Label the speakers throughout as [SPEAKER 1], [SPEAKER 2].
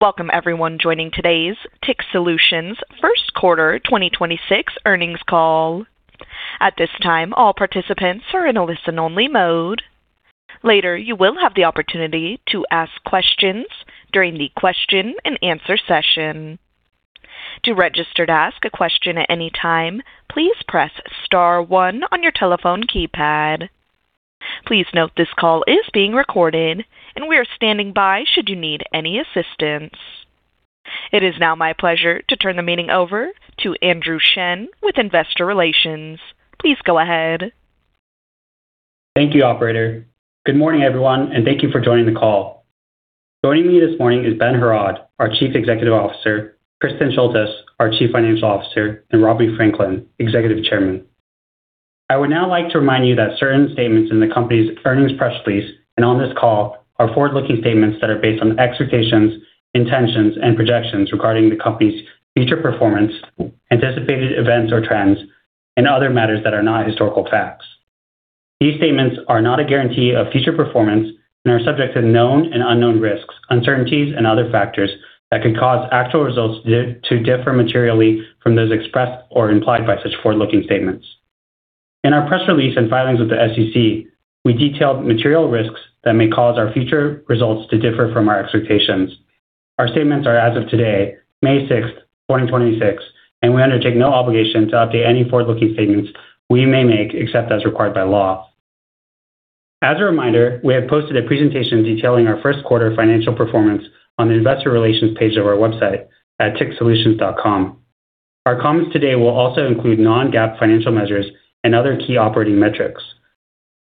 [SPEAKER 1] Welcome everyone joining today's TIC Solutions 1st Quarter 2026 Earnings Call. At this time, all participants are in listen only mode. Later, you will have the opportunity to ask questions during the question and answer session. To register to ask a question at any time, please press star one on your telephone keypad. Please note this call is being recorded and we are standing by should you need any assistance. It is now my pleasure to turn the meeting over to Andrew Shen with Investor Relations. Please go ahead.
[SPEAKER 2] Thank you, operator. Good morning, everyone, thank you for joining the call. Joining me this morning is Ben Heraud, our Chief Executive Officer, Kristin Schultes, our Chief Financial Officer, and Robert A.E. Franklin, Executive Chairman. I would now like to remind you that certain statements in the company's earnings press release and on this call are forward-looking statements that are based on expectations, intentions, and projections regarding the company's future performance, anticipated events or trends, and other matters that are not historical facts. These statements are not a guarantee of future performance and are subject to known and unknown risks, uncertainties and other factors that could cause actual results to differ materially from those expressed or implied by such forward-looking statements. In our press release and filings with the SEC, we detailed material risks that may cause our future results to differ from our expectations. Our statements are as of today, May 6th, 2026, and we undertake no obligation to update any forward-looking statements we may make except as required by law. As a reminder, we have posted a presentation detailing our first quarter financial performance on the investor relations page of our website at ticsolutions.com. Our comments today will also include non-GAAP financial measures and other key operating metrics.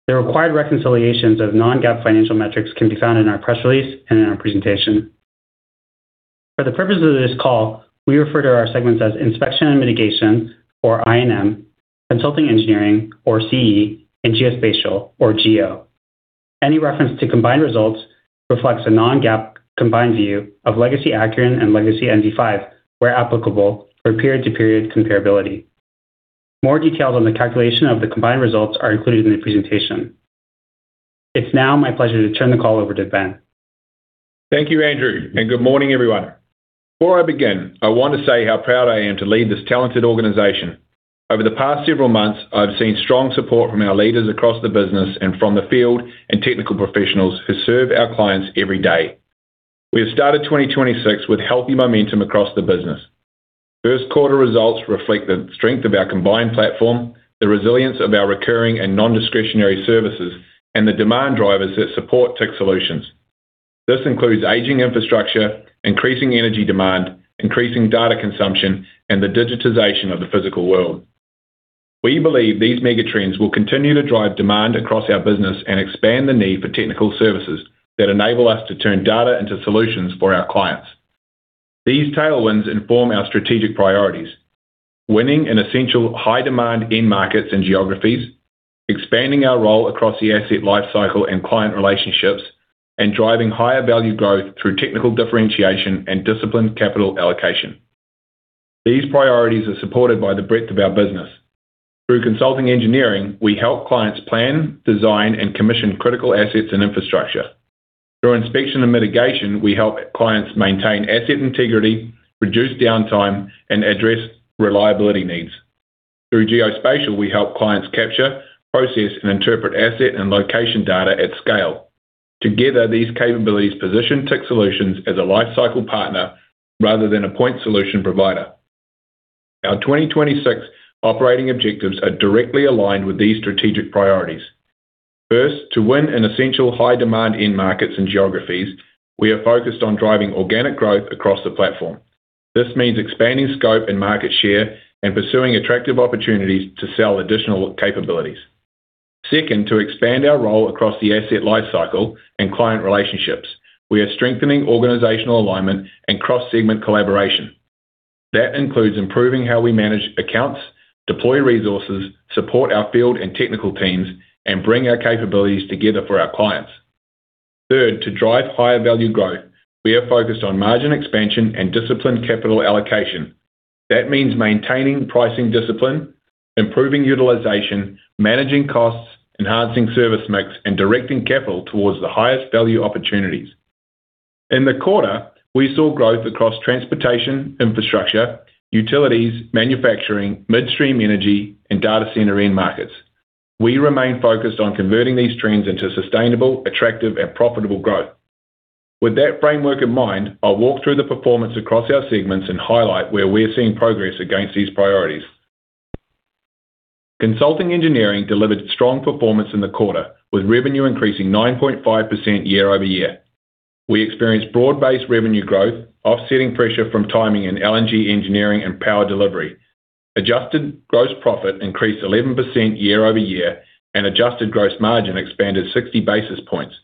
[SPEAKER 2] The required reconciliations of non-GAAP financial metrics can be found in our press release and in our presentation. For the purposes of this call, we refer to our segments as Inspection and Mitigation or I&M, Consulting Engineering or CE, and Geospatial or Geo. Any reference to combined results reflects a non-GAAP combined view of legacy Acuren and legacy NV5, where applicable, for period-to-period comparability. More details on the calculation of the combined results are included in the presentation. It's now my pleasure to turn the call over to Ben.
[SPEAKER 3] Thank you, Andrew, good morning, everyone. Before I begin, I want to say how proud I am to lead this talented organization. Over the past several months, I've seen strong support from our leaders across the business and from the field and technical professionals who serve our clients every day. We have started 2026 with healthy momentum across the business. First quarter results reflect the strength of our combined platform, the resilience of our recurring and non-discretionary services, and the demand drivers that support TIC Solutions. This includes aging infrastructure, increasing energy demand, increasing data consumption, and the digitization of the physical world. We believe these megatrends will continue to drive demand across our business and expand the need for technical services that enable us to turn data into solutions for our clients. These tailwinds inform our strategic priorities, winning in essential high-demand end markets and geographies, expanding our role across the asset lifecycle and client relationships, and driving higher value growth through technical differentiation and disciplined capital allocation. These priorities are supported by the breadth of our business. Through Consulting Engineering, we help clients plan, design, and commission critical assets and infrastructure. Through Inspection and Mitigation, we help clients maintain asset integrity, reduce downtime, and address reliability needs. Through Geospatial, we help clients capture, process, and interpret asset and location data at scale. Together, these capabilities position TIC Solutions as a lifecycle partner rather than a point solution provider. Our 2026 operating objectives are directly aligned with these strategic priorities. First, to win in essential high demand end markets and geographies, we are focused on driving organic growth across the platform. This means expanding scope and market share and pursuing attractive opportunities to sell additional capabilities. Second, to expand our role across the asset lifecycle and client relationships, we are strengthening organizational alignment and cross-segment collaboration. That includes improving how we manage accounts, deploy resources, support our field and technical teams, and bring our capabilities together for our clients. Third, to drive higher value growth, we are focused on margin expansion and disciplined capital allocation. That means maintaining pricing discipline, improving utilization, managing costs, enhancing service mix, and directing capital towards the highest value opportunities. In the quarter, we saw growth across transportation, infrastructure, utilities, manufacturing, midstream energy, and data center end markets. We remain focused on converting these trends into sustainable, attractive, and profitable growth. With that framework in mind, I'll walk through the performance across our segments and highlight where we're seeing progress against these priorities. Consulting Engineering delivered strong performance in the quarter, with revenue increasing 9.5% YoY. We experienced broad-based revenue growth, offsetting pressure from timing in LNG engineering and power delivery. Adjusted gross profit increased 11% YoY, and adjusted gross margin expanded 60 basis points,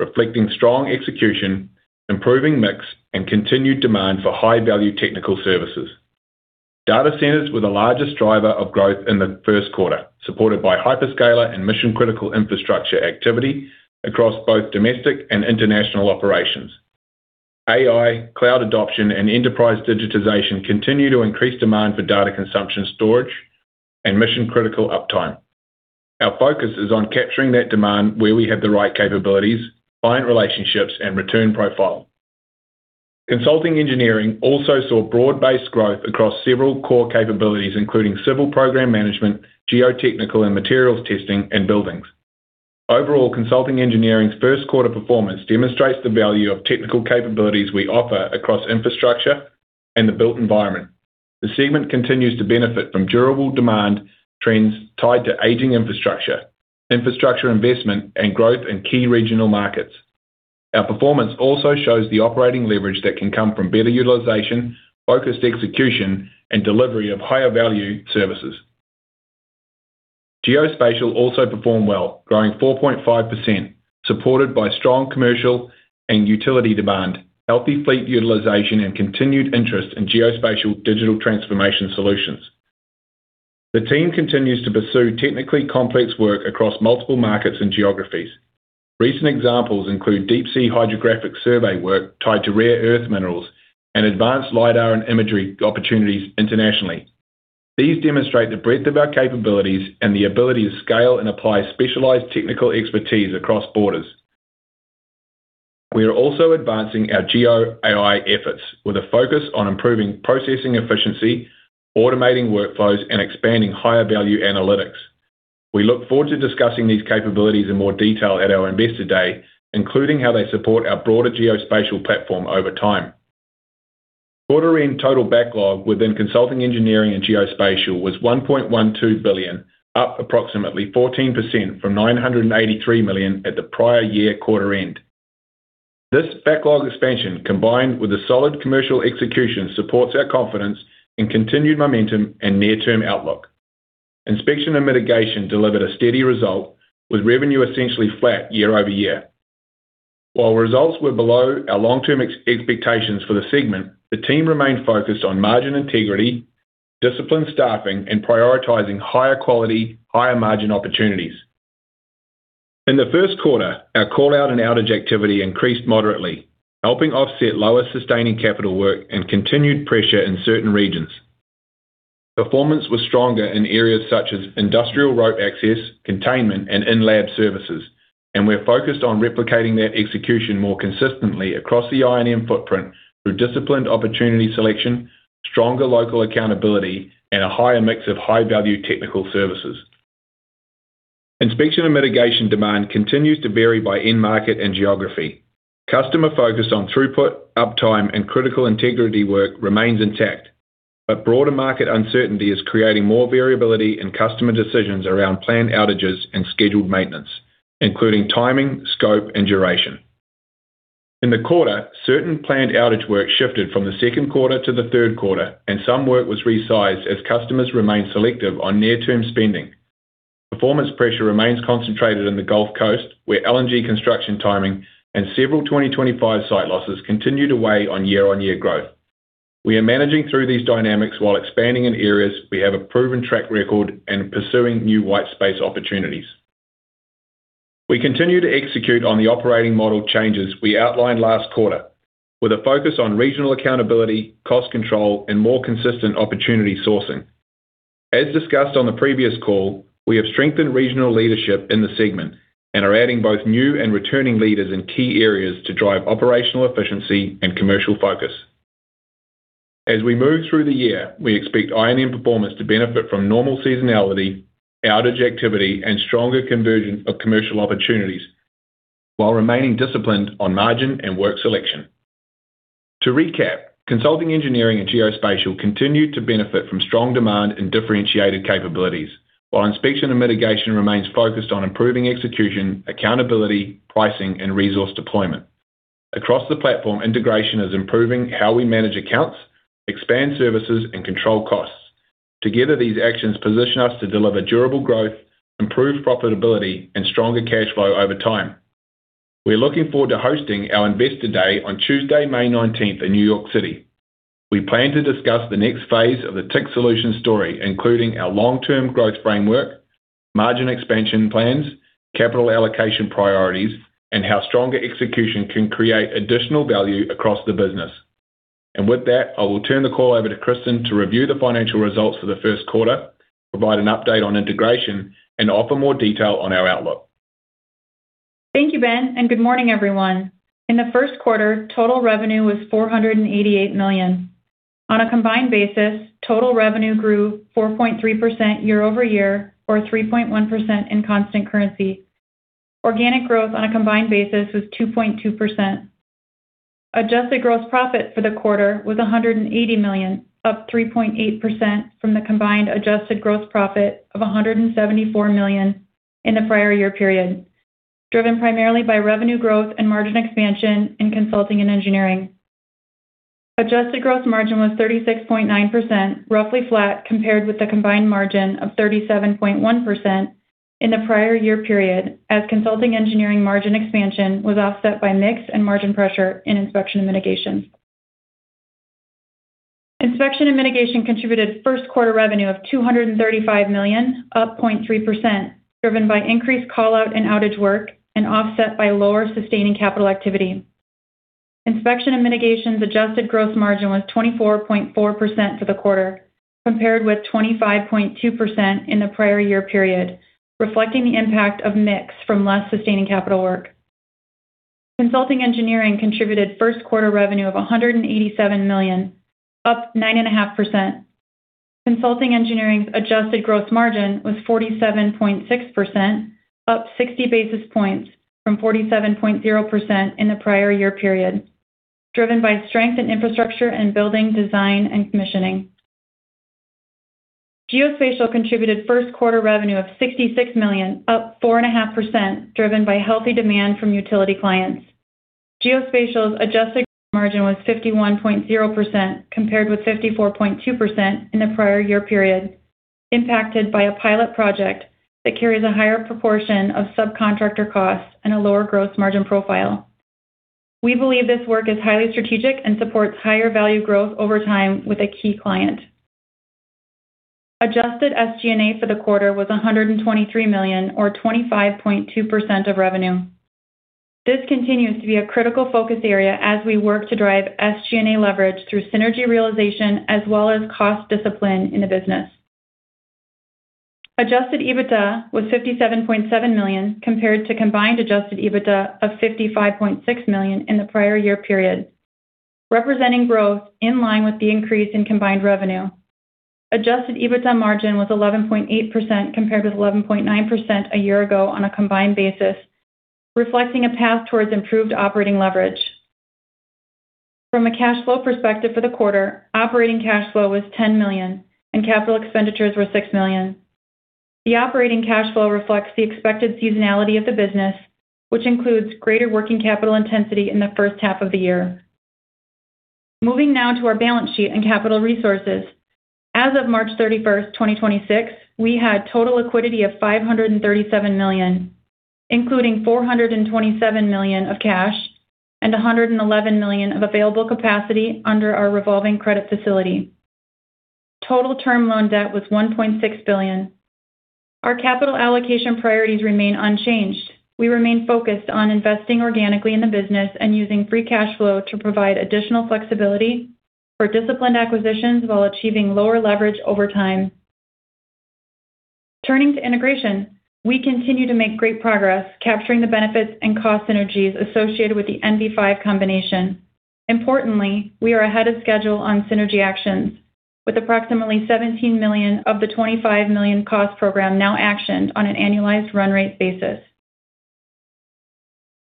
[SPEAKER 3] reflecting strong execution, improving mix, and continued demand for high-value technical services. Data centers were the largest driver of growth in the first quarter, supported by hyperscaler and mission-critical infrastructure activity across both domestic and international operations. AI, cloud adoption, and enterprise digitization continue to increase demand for data consumption storage and mission-critical uptime. Our focus is on capturing that demand where we have the right capabilities, client relationships, and return profile. Consulting Engineering also saw broad-based growth across several core capabilities, including civil program management, geotechnical and materials testing, and buildings. Overall, Consulting Engineering's first quarter performance demonstrates the value of technical capabilities we offer across infrastructure and the built environment. The segment continues to benefit from durable demand trends tied to aging infrastructure investment, and growth in key regional markets. Our performance also shows the operating leverage that can come from better utilization, focused execution, and delivery of higher value services. Geospatial also performed well, growing 4.5%, supported by strong commercial and utility demand, healthy fleet utilization, and continued interest in Geospatial digital transformation solutions. The team continues to pursue technically complex work across multiple markets and geographies. Recent examples include deep sea hydrographic survey work tied to rare earth minerals and advanced lidar and imagery opportunities internationally. These demonstrate the breadth of our capabilities and the ability to scale and apply specialized technical expertise across borders. We are also advancing our GeoAI efforts with a focus on improving processing efficiency, automating workflows, and expanding higher value analytics. We look forward to discussing these capabilities in more detail at our Investor Day, including how they support our broader Geospatial platform over time. Quarter end total backlog within Consulting Engineering and Geospatial was $1.12 billion, up approximately 14% from $983 million at the prior year quarter end. This backlog expansion, combined with a solid commercial execution, supports our confidence in continued momentum and near-term outlook. Inspection and Mitigation delivered a steady result with revenue essentially flat year-over-year. While results were below our long-term expectations for the segment, the team remained focused on margin integrity, disciplined staffing, and prioritizing higher quality, higher margin opportunities. In the first quarter, our call-out and outage activity increased moderately, helping offset lower sustaining capital work and continued pressure in certain regions. Performance was stronger in areas such as industrial rope access, containment, and in-lab services, and we're focused on replicating that execution more consistently across the I&M footprint through disciplined opportunity selection, stronger local accountability, and a higher mix of high-value technical services. Inspection and Mitigation demand continues to vary by end market and geography. Customer focus on throughput, uptime, and critical integrity work remains intact, but broader market uncertainty is creating more variability in customer decisions around planned outages and scheduled maintenance, including timing, scope, and duration. In the quarter, certain planned outage work shifted from the second quarter to the third quarter, and some work was resized as customers remained selective on near-term spending. Performance pressure remains concentrated in the Gulf Coast, where LNG construction timing and several 2025 site losses continue to weigh on year-on-year growth. We are managing through these dynamics while expanding in areas we have a proven track record and pursuing new white space opportunities. We continue to execute on the operating model changes we outlined last quarter, with a focus on regional accountability, cost control, and more consistent opportunity sourcing. As discussed on the previous call, we have strengthened regional leadership in the segment and are adding both new and returning leaders in key areas to drive operational efficiency and commercial focus. As we move through the year, we expect I&M performance to benefit from normal seasonality, outage activity, and stronger conversion of commercial opportunities while remaining disciplined on margin and work selection. To recap, Consulting Engineering, and Geospatial continue to benefit from strong demand and differentiated capabilities. While Inspection and Mitigation remains focused on improving execution, accountability, pricing, and resource deployment. Across the platform, integration is improving how we manage accounts, expand services, and control costs. Together, these actions position us to deliver durable growth, improved profitability, and stronger cash flow over time. We're looking forward to hosting our Investor Day on Tuesday, May 19th in New York City. We plan to discuss the next phase of the TIC Solutions story, including our long-term growth framework, margin expansion plans, capital allocation priorities, and how stronger execution can create additional value across the business. With that, I will turn the call over to Kristin to review the financial results for the first quarter, provide an update on integration, and offer more detail on our outlook.
[SPEAKER 4] Thank you, Ben, and good morning, everyone. In the first quarter, total revenue was $488 million. On a combined basis, total revenue grew 4.3% YoY or 3.1% in constant currency. Organic growth on a combined basis was 2.2%. Adjusted gross profit for the quarter was $180 million, up 3.8% from the combined adjusted gross profit of $174 million in the prior year period, driven primarily by revenue growth and margin expansion in Consulting Engineering. Adjusted gross margin was 36.9%, roughly flat compared with the combined margin of 37.1% in the prior year period as Consulting Engineering margin expansion was offset by mix and margin pressure in Inspection and Mitigation. Inspection and Mitigation contributed first quarter revenue of $235 million, up 0.3%, driven by increased call-out and outage work and offset by lower sustaining capital activity. Inspection and Mitigation's adjusted gross margin was 24.4% for the quarter, compared with 25.2% in the prior year period, reflecting the impact of mix from less sustaining capital work. Consulting Engineering contributed first quarter revenue of $187 million, up 9.5%. Consulting Engineering's adjusted gross margin was 47.6%, up 60 basis points from 47.0% in the prior year period, driven by strength in infrastructure and building design and commissioning. Geospatial contributed first quarter revenue of $66 million, up 4.5%, driven by healthy demand from utility clients. Geospatial's adjusted gross margin was 51.0% compared with 54.2% in the prior year period, impacted by a pilot project that carries a higher proportion of subcontractor costs and a lower gross margin profile. We believe this work is highly strategic and supports higher value growth over time with a key client. Adjusted SG&A for the quarter was $123 million or 25.2% of revenue. This continues to be a critical focus area as we work to drive SG&A leverage through synergy realization as well as cost discipline in the business. Adjusted EBITDA was $57.7 million compared to combined Adjusted EBITDA of $55.6 million in the prior year period, representing growth in line with the increase in combined revenue. Adjusted EBITDA margin was 11.8% compared with 11.9% a year ago on a combined basis, reflecting a path towards improved operating leverage. From a cash flow perspective for the quarter, operating cash flow was $10 million and capital expenditures were $6 million. The operating cash flow reflects the expected seasonality of the business, which includes greater working capital intensity in the first half of the year. Moving now to our balance sheet and capital resources. As of March 31st, 2026, we had total liquidity of $537 million, including $427 million of cash and $111 million of available capacity under our revolving credit facility. Total term loan debt was $1.6 billion. Our capital allocation priorities remain unchanged. We remain focused on investing organically in the business and using free cash flow to provide additional flexibility for disciplined acquisitions while achieving lower leverage over time. Turning to integration, we continue to make great progress capturing the benefits and cost synergies associated with the NV5 combination. Importantly, we are ahead of schedule on synergy actions with approximately $17 million of the $25 million cost program now actioned on an annualized run rate basis.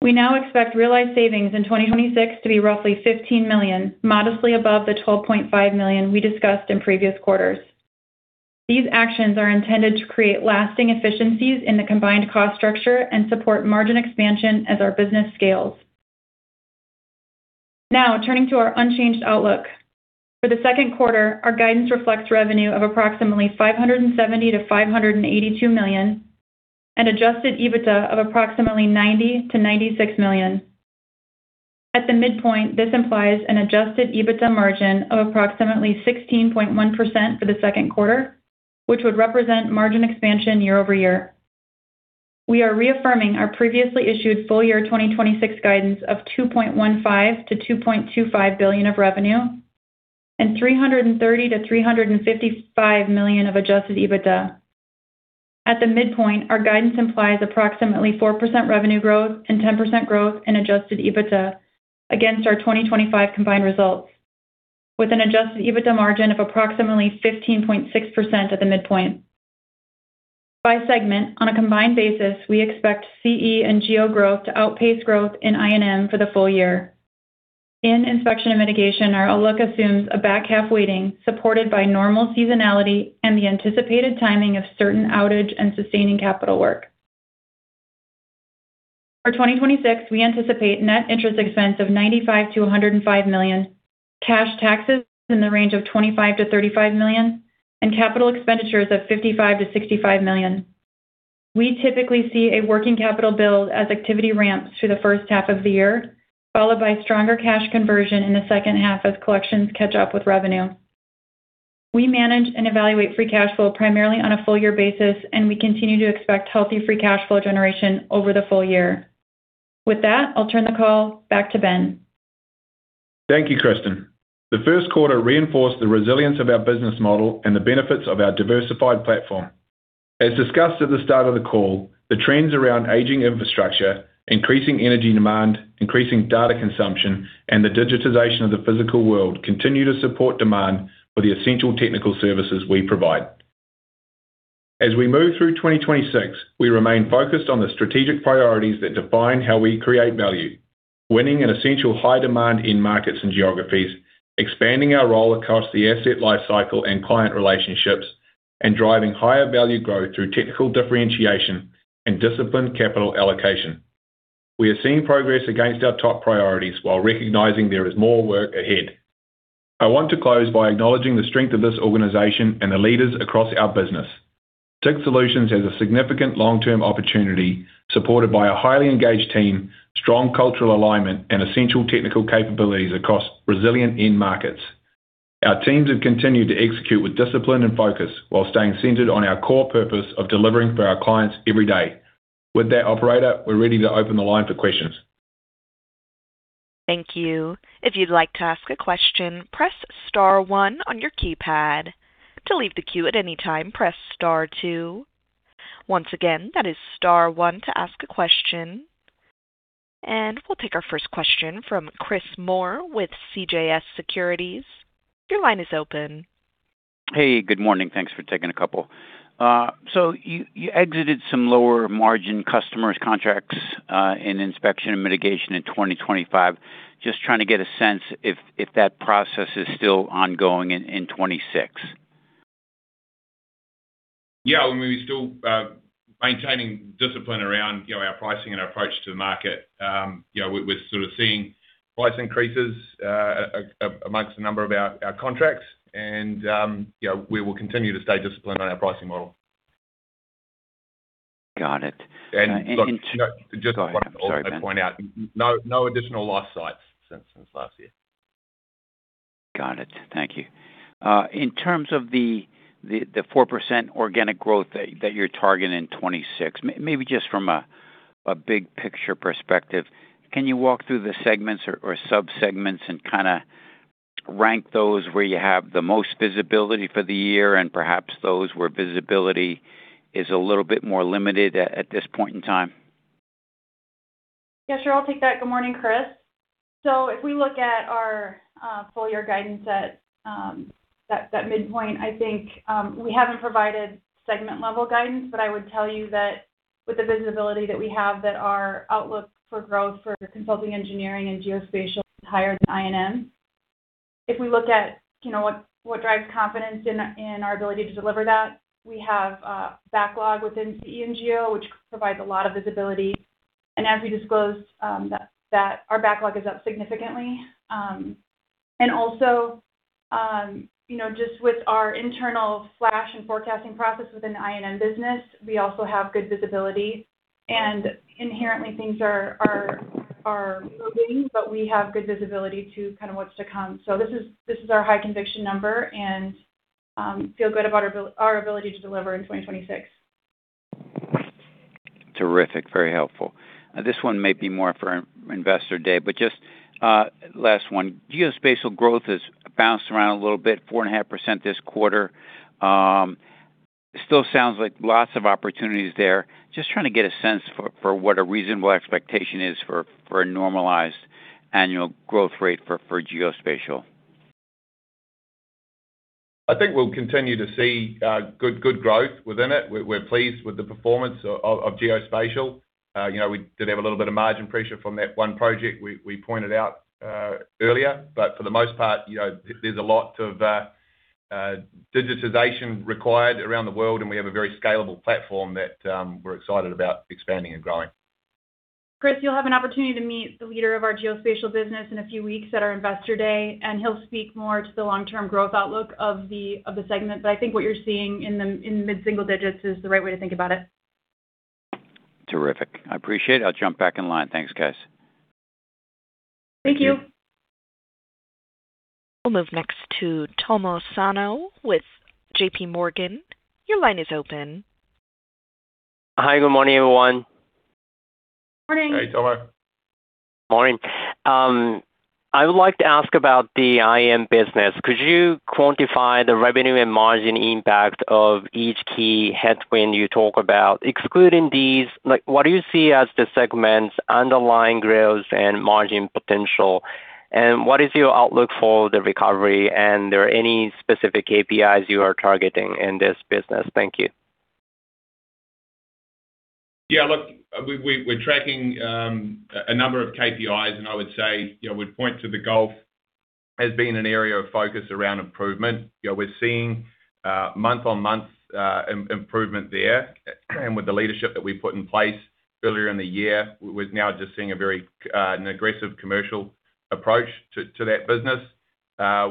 [SPEAKER 4] We now expect realized savings in 2026 to be roughly $15 million, modestly above the $12.5 million we discussed in previous quarters. These actions are intended to create lasting efficiencies in the combined cost structure and support margin expansion as our business scales. Turning to our unchanged outlook. For the second quarter, our guidance reflects revenue of approximately $570 million-$582 million and Adjusted EBITDA of approximately $90 million-$96 million. At the midpoint, this implies an Adjusted EBITDA margin of approximately 16.1% for the second quarter, which would represent margin expansion year-over-year. We are reaffirming our previously issued full year 2026 guidance of $2.15 billion-$2.25 billion of revenue and $330 million-$355 million of Adjusted EBITDA. At the midpoint, our guidance implies approximately 4% revenue growth and 10% growth in Adjusted EBITDA against our 2025 combined results with an Adjusted EBITDA margin of approximately 15.6% at the midpoint. By segment, on a combined basis, we expect CE and geo growth to outpace growth in I&M for the full year. In Inspection and Mitigation, our outlook assumes a back half weighting supported by normal seasonality and the anticipated timing of certain outage and sustaining capital work. For 2026, we anticipate net interest expense of $95 million-$105 million, cash taxes in the range of $25 million-$35 million, and capital expenditures of $55 million-$65 million. We typically see a working capital build as activity ramps through the first half of the year, followed by stronger cash conversion in the second half as collections catch up with revenue. We manage and evaluate free cash flow primarily on a full year basis, and we continue to expect healthy free cash flow generation over the full year. With that, I'll turn the call back to Ben.
[SPEAKER 3] Thank you, Kristin. The first quarter reinforced the resilience of our business model and the benefits of our diversified platform. As discussed at the start of the call, the trends around aging infrastructure, increasing energy demand, increasing data consumption, and the digitization of the physical world continue to support demand for the essential technical services we provide. As we move through 2026, we remain focused on the strategic priorities that define how we create value, winning in essential high demand in markets and geographies, expanding our role across the asset lifecycle and client relationships, and driving higher value growth through technical differentiation and disciplined capital allocation. We are seeing progress against our top priorities while recognizing there is more work ahead. I want to close by acknowledging the strength of this organization and the leaders across our business. TIC Solutions has a significant long-term opportunity supported by a highly engaged team, strong cultural alignment, and essential technical capabilities across resilient end markets. Our teams have continued to execute with discipline and focus while staying centered on our core purpose of delivering for our clients every day. With that, operator, we're ready to open the line for questions.
[SPEAKER 1] Thank you. If you'd like to ask a question, press star one on your keypad. To leave the queue at any time, press star two. Once again, that is star one to ask a question. We'll take our first question from Chris Moore with CJS Securities. Your line is open.
[SPEAKER 5] Hey, good morning. Thanks for taking a couple. You exited some lower margin customers contracts in Inspection and Mitigation in 2025. Just trying to get a sense if that process is still ongoing in 2026.
[SPEAKER 3] Yeah, we're still maintaining discipline around, you know, our pricing and approach to the market. You know, we're sort of seeing price increases amongst a number of our contracts and, you know, we will continue to stay disciplined on our pricing model.
[SPEAKER 5] Got it.
[SPEAKER 3] Look, just to point out, no additional lost sites since last year.
[SPEAKER 5] Got it. Thank you. In terms of the 4% organic growth that you're targeting in 2026, maybe just from a big picture perspective, can you walk through the segments or sub-segments and kinda rank those where you have the most visibility for the year and perhaps those where visibility is a little bit more limited at this point in time?
[SPEAKER 4] Yeah, sure. I'll take that. Good morning, Chris. If we look at our full year guidance at that midpoint, I think we haven't provided segment level guidance, but I would tell you that with the visibility that we have, that our outlook for growth for Consulting Engineering and Geospatial is higher than I&M. If we look at, you know, what drives confidence in our ability to deliver that, we have backlog within CE and Geo, which provides a lot of visibility. As we disclosed, that our backlog is up significantly. Also, you know, just with our internal flash and forecasting process within the I&M business, we also have good visibility. Inherently, things are moving, but we have good visibility to kind of what's to come. This is our high conviction number and feel good about our ability to deliver in 2026.
[SPEAKER 5] Terrific. Very helpful. This one may be more for Investor Day, but just last one. Geospatial growth has bounced around a little bit, 4.5% this quarter. Still sounds like lots of opportunities there. Just trying to get a sense for what a reasonable expectation is for a normalized annual growth rate for Geospatial.
[SPEAKER 3] I think we'll continue to see good growth within it. We're pleased with the performance of Geospatial. You know, we did have a little bit of margin pressure from that one project we pointed out earlier, but for the most part, you know, there's a lot of digitization required around the world, and we have a very scalable platform that we're excited about expanding and growing.
[SPEAKER 4] Chris, you'll have an opportunity to meet the leader of our Geospatial business in a few weeks at our Investor Day, and he'll speak more to the long-term growth outlook of the segment. I think what you're seeing in mid-single digits is the right way to think about it.
[SPEAKER 5] Terrific. I appreciate it. I'll jump back in line. Thanks, guys.
[SPEAKER 4] Thank you.
[SPEAKER 3] Thank you.
[SPEAKER 1] We'll move next to Tomohiko Sano with J.P. Morgan. Your line is open.
[SPEAKER 6] Hi. Good morning, everyone.
[SPEAKER 4] Morning.
[SPEAKER 3] Hey, Tomo.
[SPEAKER 6] Morning. I would like to ask about the I&M business. Could you quantify the revenue and margin impact of each key headwind you talk about? Excluding these, like what do you see as the segment's underlying growth and margin potential, and what is your outlook for the recovery, and are there any specific KPIs you are targeting in this business? Thank you.
[SPEAKER 3] Yeah, look, we're tracking a number of KPIs, I would say, you know, we'd point to the Gulf as being an area of focus around improvement. You know, we're seeing month-on-month improvement there. With the leadership that we put in place earlier in the year, we're now just seeing a very aggressive commercial approach to that business.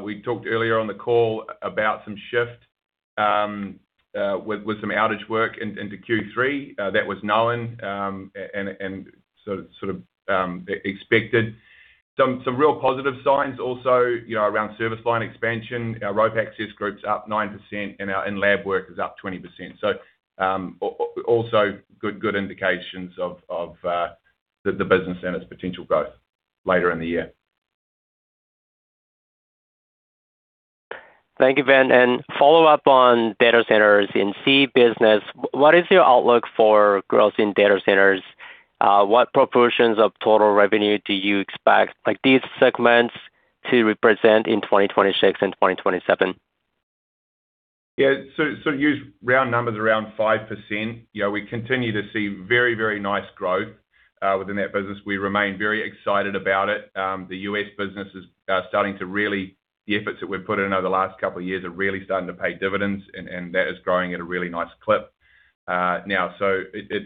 [SPEAKER 3] We talked earlier on the call about some shift with some outage work into Q3. That was known and sort of expected. Some real positive signs also, you know, around service line expansion. Our rope access group's up 9% and our lab work is up 20%. Also good indications of the business and its potential growth later in the year.
[SPEAKER 6] Thank you, Ben. Follow-up on data centers in CE business. What is your outlook for growth in data centers? What proportions of total revenue do you expect, like these segments to represent in 2026 and 2027?
[SPEAKER 3] Yeah. Use round numbers around 5%. You know, we continue to see very, very nice growth within that business. We remain very excited about it. The U.S. business is starting to really the efforts that we've put in over the last two years are really starting to pay dividends, and that is growing at a really nice clip now. It's,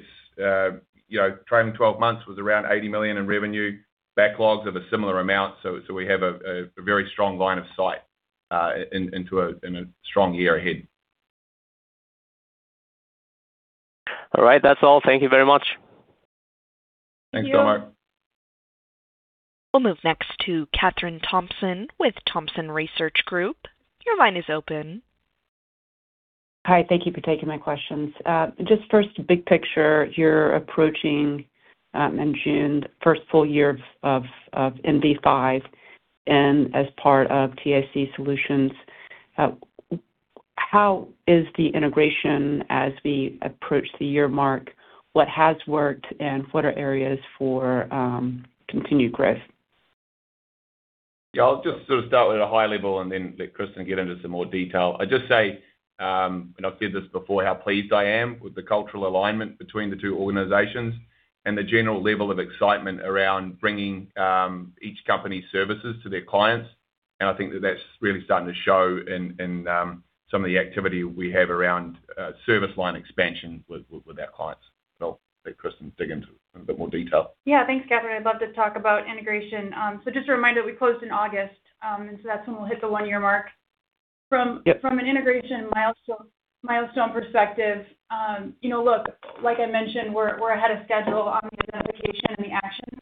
[SPEAKER 3] you know, trailing 12 months was around $80 million in revenue, backlogs of a similar amount. We have a very strong line of sight into a strong year ahead.
[SPEAKER 6] All right. That's all. Thank you very much.
[SPEAKER 3] Thanks so much.
[SPEAKER 1] We'll move next to Kathryn Thompson with Thompson Research Group. Your line is open.
[SPEAKER 7] Hi. Thank you for taking my questions. just first, big picture, you're approaching in June, the first full year of NV5 and as part of TIC Solutions. how is the integration as we approach the year mark? What has worked and what are areas for continued growth?
[SPEAKER 3] Yeah, I'll just sort of start with a high level and then let Kristin get into some more detail. I'd just say, I've said this before, how pleased I am with the cultural alignment between the two organizations and the general level of excitement around bringing each company's services to their clients. I think that that's really starting to show in some of the activity we have around service line expansion with our clients. I'll let Kristin dig into a bit more detail.
[SPEAKER 4] Yeah. Thanks, Kathryn. I'd love to talk about integration. Just a reminder, we closed in August, that's when we'll hit the one-year mark.
[SPEAKER 3] Yep.
[SPEAKER 4] From an integration milestone perspective, you know, look, like I mentioned, we're ahead of schedule on the identification and the action.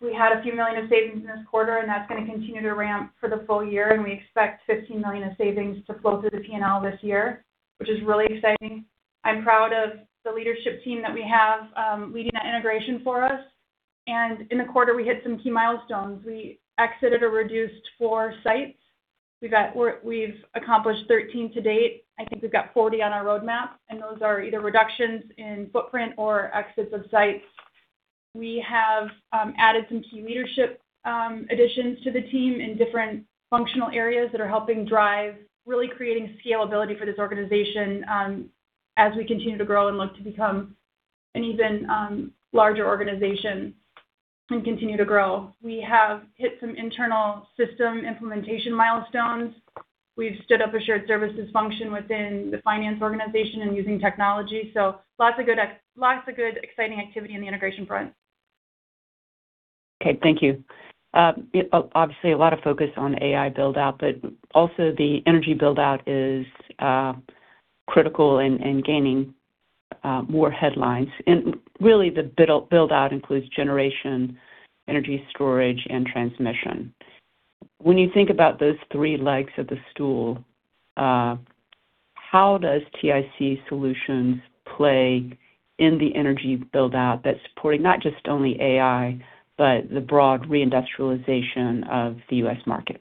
[SPEAKER 4] We had a few million of savings in this quarter, and that's gonna continue to ramp for the full year. We expect $15 million of savings to flow through the P&L this year, which is really exciting. I'm proud of the leadership team that we have leading that integration for us. In the quarter, we hit some key milestones. We exited or reduced four sites. We've accomplished 13 to date. I think we've got 40 on our roadmap, and those are either reductions in footprint or exits of sites. We have added some key leadership additions to the team in different functional areas that are helping drive really creating scalability for this organization as we continue to grow and look to become an even larger organization and continue to grow. We have hit some internal system implementation milestones. We've stood up a shared services function within the finance organization and using technology. Lots of good, exciting activity on the integration front.
[SPEAKER 7] Okay. Thank you. Obviously, a lot of focus on AI build-out, but also the energy build-out is critical in gaining more headlines. Really the build-out includes generation, energy storage, and transmission. When you think about those three legs of the stool, how does TIC Solutions play in the energy build-out that's supporting not just only AI, but the broad reindustrialization of the US market?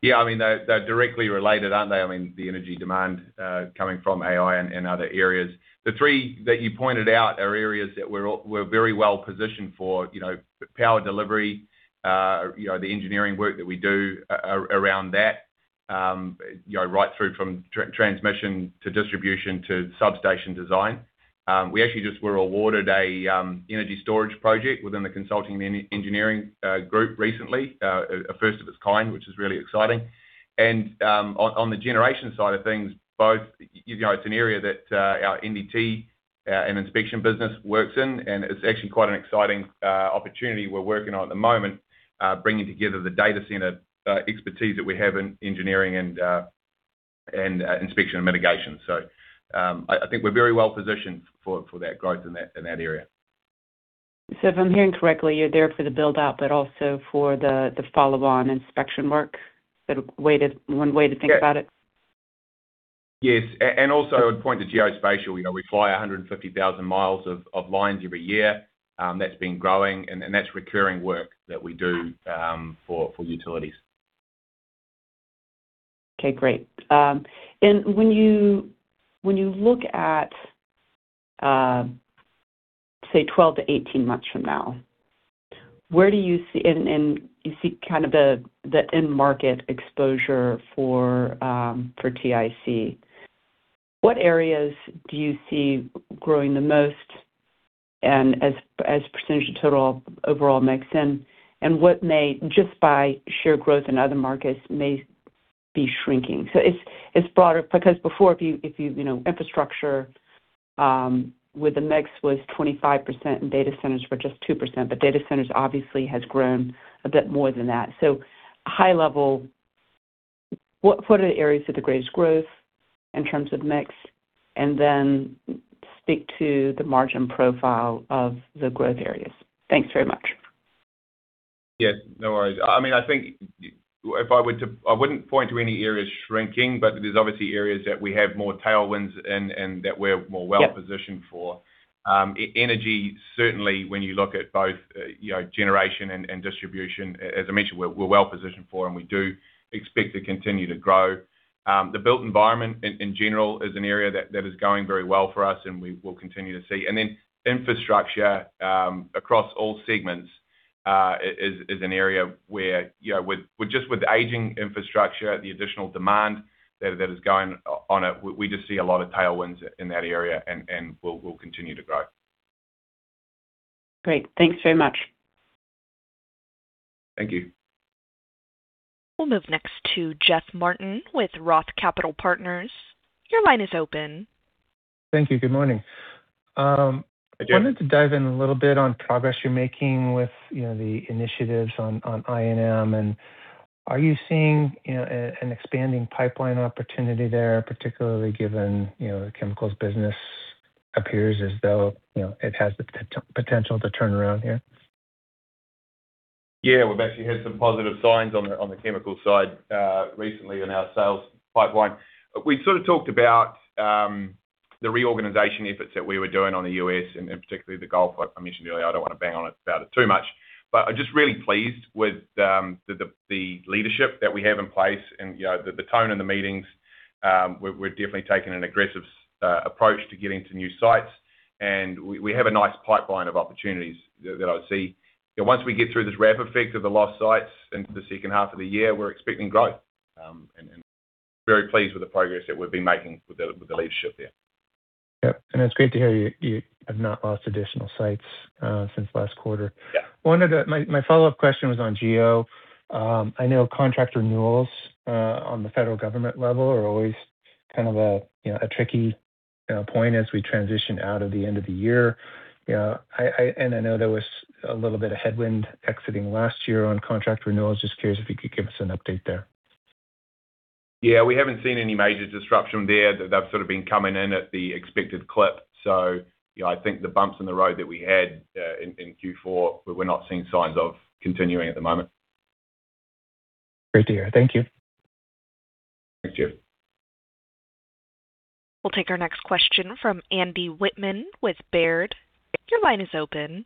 [SPEAKER 3] Yeah, I mean, they're directly related, aren't they? I mean, the energy demand coming from AI and other areas. The three that you pointed out are areas that we're very well-positioned for. You know, power delivery, you know, the engineering work that we do around that, you know, right through from transmission to distribution to substation design. We actually just were awarded a energy storage project within the Consulting Engineering group recently, a first of its kind, which is really exciting. On, on the generation side of things, both, you know, it's an area that our NDT and Inspection and Mitigation business works in, and it's actually quite an exciting opportunity we're working on at the moment, bringing together the data center expertise that we have in engineering and Inspection and Mitigation. I think we're very well-positioned for that growth in that area.
[SPEAKER 7] If I'm hearing correctly, you're there for the build-out, but also for the follow-on inspection work. Is that one way to think about it?
[SPEAKER 3] Yes. I'd point to Geospatial. You know, we fly 150,000 miles of lines every year. That's been growing and that's recurring work that we do for utilities.
[SPEAKER 7] Okay, great. When you look at, say, 12-18 months from now, where do you see kind of the end market exposure for TIC. What areas do you see growing the most as a percentage of total overall mix, and what may just by sheer growth in other markets may be shrinking? It's broader because before if you know, infrastructure with the mix was 25% and data centers were just 2%, data centers obviously has grown a bit more than that. High level, what are the areas of the greatest growth in terms of mix? Then speak to the margin profile of the growth areas. Thanks very much.
[SPEAKER 3] Yes, no worries. I mean, I think if I were to I wouldn't point to any areas shrinking, but there's obviously areas that we have more tailwinds and that we're more well-positioned for. Energy certainly when you look at both, you know, generation and distribution, as I mentioned, we're well-positioned for and we do expect to continue to grow. The built environment in general is an area that is going very well for us and we will continue to see. Infrastructure across all segments is an area where, you know, with just with aging infrastructure, the additional demand that is going on it, we just see a lot of tailwinds in that area and will continue to grow.
[SPEAKER 7] Great. Thanks very much.
[SPEAKER 3] Thank you.
[SPEAKER 1] We'll move next to Jeff Martin with Roth Capital Partners. Your line is open.
[SPEAKER 8] Thank you. Good morning. I wanted to dive in a little bit on progress you're making with, you know, the initiatives on I&M and are you seeing an expanding pipeline opportunity there, particularly given, you know, the chemicals business appears as though it has the potential to turn around here?
[SPEAKER 3] Yeah, we've actually had some positive signs on the chemical side recently in our sales pipeline. We sort of talked about the reorganization efforts that we were doing on the U.S. and particularly the Gulf, like I mentioned earlier, I don't wanna bang on it about it too much. I'm just really pleased with the leadership that we have in place and, you know, the tone in the meetings. We're definitely taking an aggressive approach to getting to new sites. We have a nice pipeline of opportunities that I see. You know, once we get through this ramp effect of the lost sites in the second half of the year, we're expecting growth. And very pleased with the progress that we've been making with the leadership there.
[SPEAKER 8] Yep. It's great to hear you have not lost additional sites since last quarter.
[SPEAKER 3] Yeah.
[SPEAKER 8] My follow-up question was on geo. I know contract renewals on the federal government level are always kind of a, you know, a tricky, you know, point as we transition out of the end of the year. You know, I know there was a little bit of headwind exiting last year on contract renewals. Just curious if you could give us an update there.
[SPEAKER 3] Yeah, we haven't seen any major disruption there. They've sort of been coming in at the expected clip. You know, I think the bumps in the road that we had in Q4, we're not seeing signs of continuing at the moment.
[SPEAKER 8] Great to hear. Thank you.
[SPEAKER 3] Thanks, Jeff Martin.
[SPEAKER 1] We'll take our next question from Andy Wittmann with Baird. Your line is open.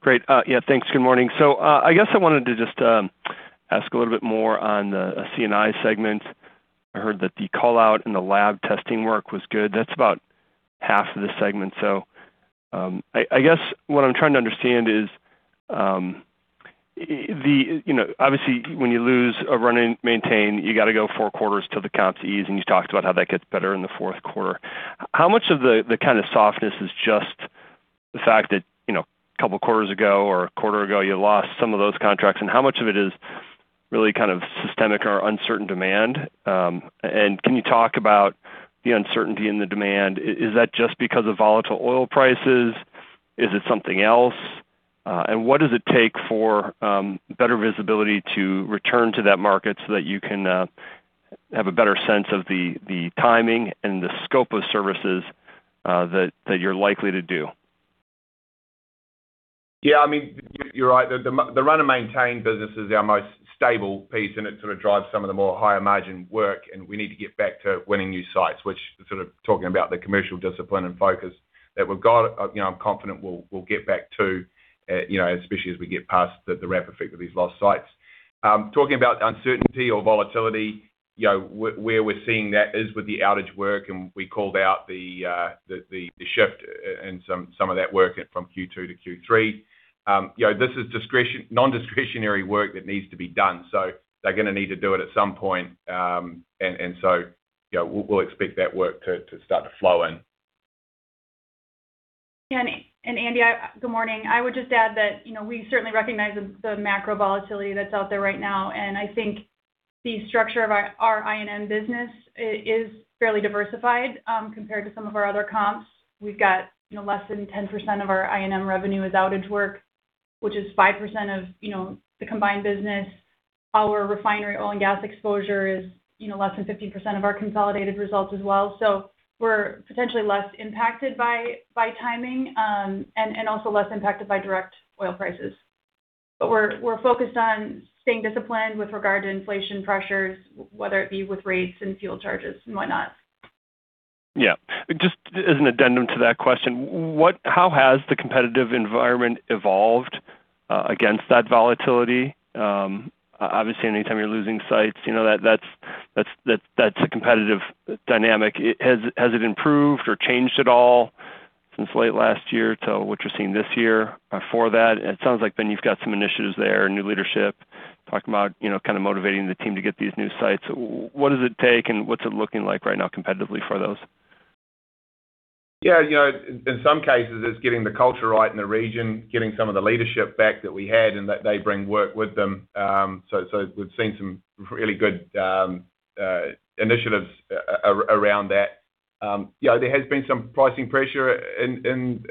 [SPEAKER 9] Great. Yes, thanks. Good morning. I guess I wanted to just ask a little bit more on the C&I segment. I heard that the call-out in the lab testing work was good. That's about half of the segment. I guess what I'm trying to understand is, you know, obviously, when you lose a run and maintain, you gotta go four quarters till the comps ease, and you talked about how that gets better in the fourth quarter. How much of the kind of softness is just the fact that, you know, two quarters ago or one quarter ago, you lost some of those contracts, and how much of it is really kind of systemic or uncertain demand? Can you talk about the uncertainty in the demand? Is that just because of volatile oil prices? Is it something else? What does it take for better visibility to return to that market so that you can have a better sense of the timing and the scope of services that you're likely to do?
[SPEAKER 3] Yeah, I mean, you're right. The run-and-maintain business is our most stable piece, and it sort of drives some of the more higher margin work, and we need to get back to winning new sites, which sort of talking about the commercial discipline and focus that we've got, you know, I'm confident we'll get back to, you know, especially as we get past the ramp effect of these lost sites. Talking about uncertainty or volatility, you know, where we're seeing that is with the outage work, and we called out the shift in some of that work from Q2 to Q3. You know, this is non-discretionary work that needs to be done, they're gonna need to do it at some point. You know, we'll expect that work to start to flow in.
[SPEAKER 4] Andy, Good morning. I would just add that, you know, we certainly recognize the macro volatility that's out there right now, and I think the structure of our I&M business is fairly diversified compared to some of our other comps. We've got, you know, less than 10% of our I&M revenue is outage work, which is 5% of, you know, the combined business. Our refinery oil and gas exposure is, you know, less than 15% of our consolidated results as well. We're potentially less impacted by timing, and also less impacted by direct oil prices. We're focused on staying disciplined with regard to inflation pressures, whether it be with rates and fuel charges and whatnot.
[SPEAKER 9] Yeah. Just as an addendum to that question, how has the competitive environment evolved against that volatility? Obviously, anytime you're losing sites, you know, that's a competitive dynamic. Has it improved or changed at all since late last year to what you're seeing this year or before that? It sounds like you've got some initiatives there, new leadership, talking about, you know, kind of motivating the team to get these new sites. What does it take, what's it looking like right now competitively for those?
[SPEAKER 3] Yeah. You know, in some cases, it's getting the culture right in the region, getting some of the leadership back that we had and that they bring work with them. We've seen some really good initiatives around that. You know, there has been some pricing pressure in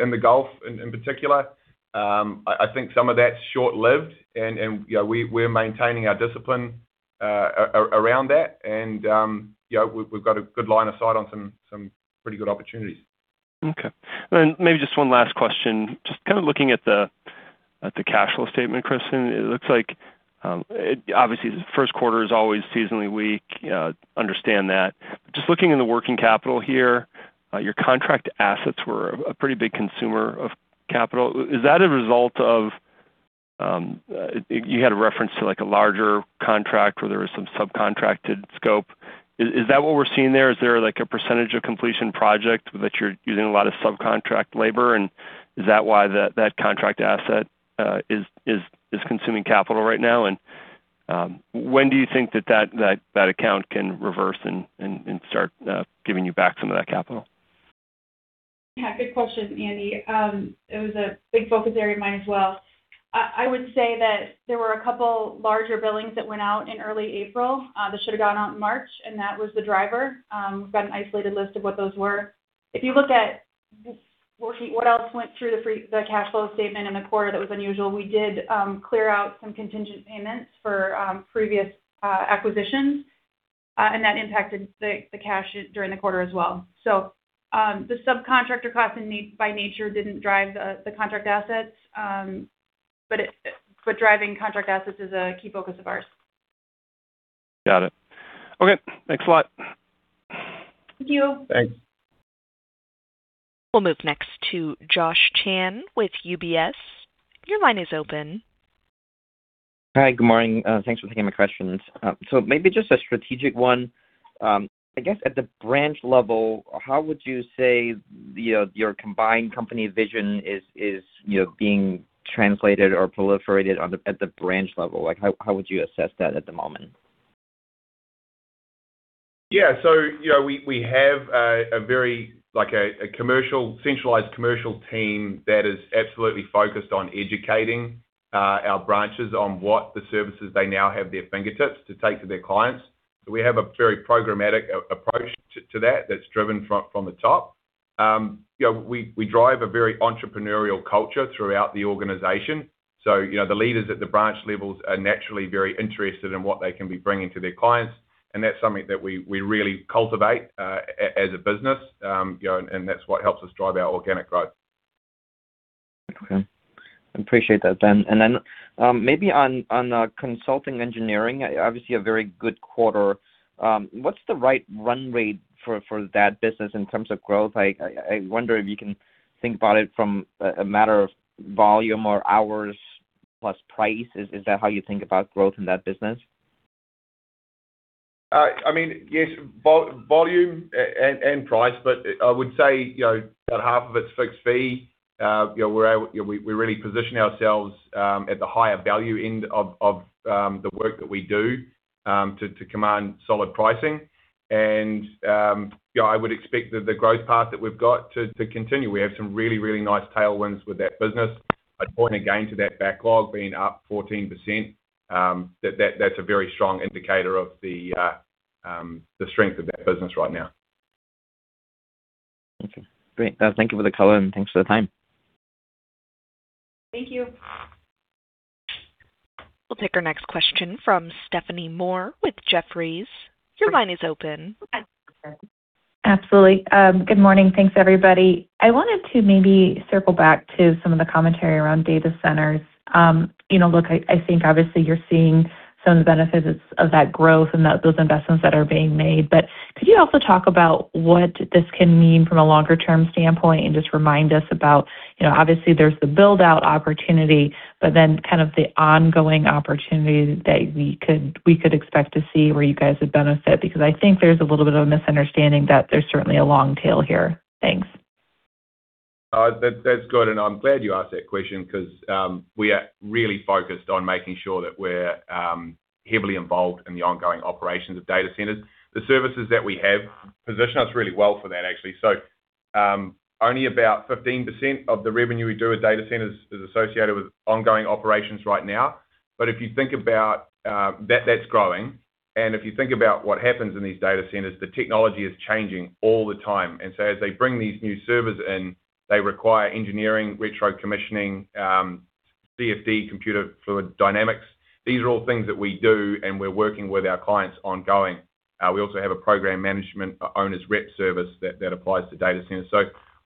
[SPEAKER 3] the Gulf in particular. I think some of that's short-lived and, you know, we're maintaining our discipline around that. You know, we've got a good line of sight on some pretty good opportunities.
[SPEAKER 9] Okay. Maybe just one last question. Just kind of looking at the cash flow statement, Kristin, it looks like, obviously, the first quarter is always seasonally weak. Understand that. Just looking in the working capital here, your contract assets were a pretty big consumer of capital. Is that a result of You had a reference to, like, a larger contract where there was some subcontracted scope. Is that what we're seeing there? Is there, like, a percentage of completion project that you're using a lot of subcontract labor? Is that why that contract asset is consuming capital right now? When do you think that account can reverse and start giving you back some of that capital?
[SPEAKER 4] Yeah, good question, Andy. It was a big focus area of mine as well. I would say that there were a two larger billings that went out in early April that should have gone out in March, and that was the driver. We've got an isolated list of what those were. If you look at what else went through the cash flow statement in the quarter that was unusual, we did clear out some contingent payments for previous acquisitions, and that impacted the cash during the quarter as well. The subcontractor costs by nature didn't drive the contract assets. Driving contract assets is a key focus of ours.
[SPEAKER 9] Got it. Okay. Thanks a lot.
[SPEAKER 4] Thank you.
[SPEAKER 3] Thanks.
[SPEAKER 1] We'll move next to Josh Chan with UBS. Your line is open.
[SPEAKER 10] Hi. Good morning. Thanks for taking my questions. Maybe just a strategic one. I guess at the branch level, how would you say, you know, your combined company vision is, you know, being translated or proliferated at the branch level? Like, how would you assess that at the moment?
[SPEAKER 3] You know, we have a very like a centralized commercial team that is absolutely focused on educating our branches on what the services they now have at their fingertips to take to their clients. We have a very programmatic approach to that's driven from the top. You know, we drive a very entrepreneurial culture throughout the organization. You know, the leaders at the branch levels are naturally very interested in what they can be bringing to their clients, and that's something that we really cultivate as a business. You know, and that's what helps us drive our organic growth.
[SPEAKER 10] Okay. I appreciate that, Ben. Then maybe on Consulting Engineering, obviously a very good quarter. What's the right run rate for that business in terms of growth? I wonder if you can think about it from a matter of volume or hours plus price. Is that how you think about growth in that business?
[SPEAKER 3] I mean, yes, volume and price, but I would say, you know, about half of it's fixed fee. You know, we really position ourselves at the higher value end of the work that we do to command solid pricing. You know, I would expect the growth path that we've got to continue. We have some really nice tailwinds with that business. I'd point again to that backlog being up 14%. That's a very strong indicator of the strength of that business right now.
[SPEAKER 10] Okay, great. Thank you for the color, and thanks for the time.
[SPEAKER 4] Thank you.
[SPEAKER 1] We'll take our next question from Stephanie Moore with Jefferies. Your line is open.
[SPEAKER 11] Absolutely. Good morning. Thanks, everybody. I wanted to maybe circle back to some of the commentary around data centers. You know, look, I think obviously you're seeing some of the benefits of that growth and that those investments that are being made. Could you also talk about what this can mean from a longer term standpoint and just remind us about, you know, obviously there's the build-out opportunity, but then kind of the ongoing opportunity that we could expect to see where you guys would benefit? I think there's a little bit of a misunderstanding that there's certainly a long tail here. Thanks.
[SPEAKER 3] That's good, and I'm glad you asked that question 'cause we are really focused on making sure that we're heavily involved in the ongoing operations of data centers. The services that we have position us really well for that actually. Only about 15% of the revenue we do with data centers is associated with ongoing operations right now. If you think about that's growing, and if you think about what happens in these data centers, the technology is changing all the time. As they bring these new servers in, they require engineering, retro-commissioning, CFD, computational fluid dynamics. These are all things that we do, and we're working with our clients ongoing. We also have a program management owner's rep service that applies to data centers.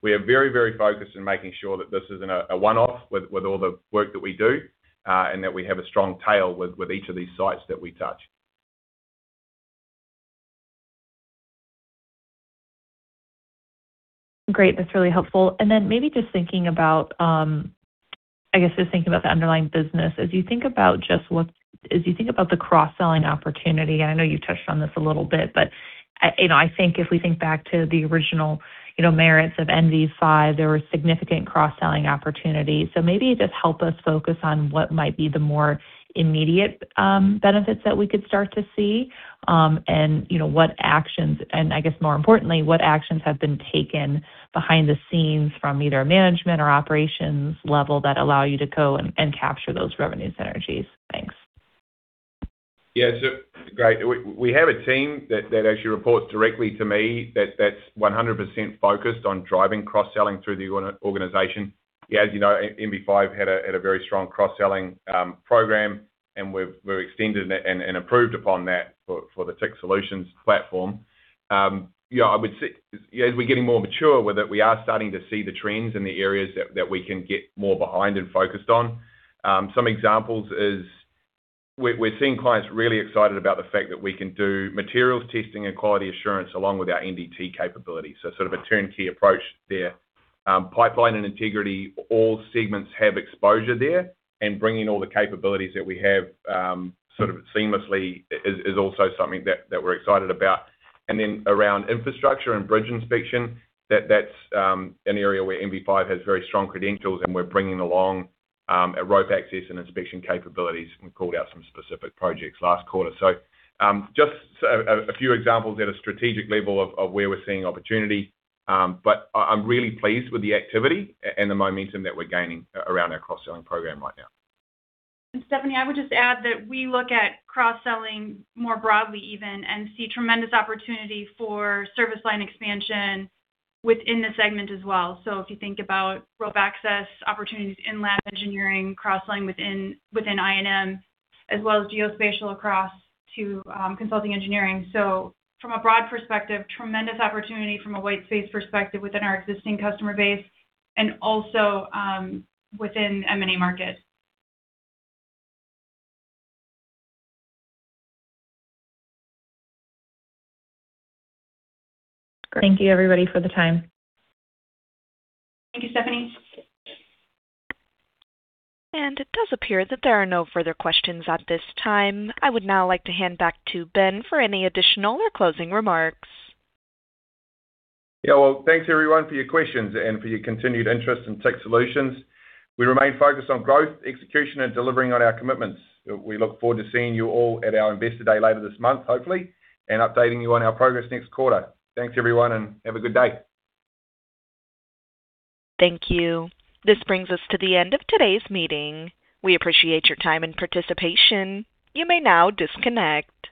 [SPEAKER 3] We are very focused in making sure that this isn't a one-off with all the work that we do, and that we have a strong tail with each of these sites that we touch.
[SPEAKER 11] Great. That's really helpful. Maybe just thinking about, I guess just thinking about the underlying business. As you think about the cross-selling opportunity, I know you touched on this a little bit, but, you know, I think if we think back to the original, you know, merits of NV5, there were significant cross-selling opportunities. Maybe just help us focus on what might be the more immediate benefits that we could start to see. And you know, what actions I guess more importantly, what actions have been taken behind the scenes from either a management or operations level that allow you to go and capture those revenue synergies? Thanks.
[SPEAKER 3] Yeah. Great. We have a team that actually reports directly to me that's 100% focused on driving cross-selling through the organization. As you know, NV5 had a very strong cross-selling program, and we've extended and improved upon that for the TIC Solutions platform. You know, I would say as we're getting more mature, we are starting to see the trends in the areas that we can get more behind and focused on. Some examples is we're seeing clients really excited about the fact that we can do materials testing and quality assurance along with our NDT capabilities. Sort of a turnkey approach there. Pipeline and integrity, all segments have exposure there. Bringing all the capabilities that we have, sort of seamlessly is also something that we're excited about. Around infrastructure and bridge inspection, that's an area where NV5 has very strong credentials, and we're bringing along our rope access and inspection capabilities. We called out some specific projects last quarter. Just a few examples at a strategic level of where we're seeing opportunity. But I'm really pleased with the activity and the momentum that we're gaining around our cross-selling program right now.
[SPEAKER 4] Stephanie, I would just add that we look at cross-selling more broadly even and see tremendous opportunity for service line expansion within the segment as well. If you think about rope access opportunities in lab engineering, cross-selling within I&M, as well as Geospatial across to Consulting Engineering. From a broad perspective, tremendous opportunity from a white space perspective within our existing customer base and also within M&A markets.
[SPEAKER 11] Thank you everybody for the time.
[SPEAKER 4] Thank you, Stephanie.
[SPEAKER 1] It does appear that there are no further questions at this time. I would now like to hand back to Ben for any additional or closing remarks.
[SPEAKER 3] Yeah. Well, thanks everyone for your questions and for your continued interest in TIC Solutions. We remain focused on growth, execution, and delivering on our commitments. We look forward to seeing you all at our Investor Day later this month, hopefully, and updating you on our progress next quarter. Thanks everyone, and have a good day.
[SPEAKER 1] Thank you. This brings us to the end of today's meeting. We appreciate your time and participation. You may now disconnect.